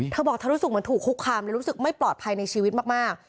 เธอบอกเธอรู้สึกเหมือนถูกคุกคามเลยรู้สึกไม่ปลอดภัยในชีวิตมาก